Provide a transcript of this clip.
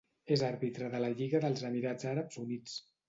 És àrbitre de la lliga dels Emirats Àrabs Units.